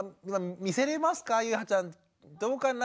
ゆいはちゃんどうかな？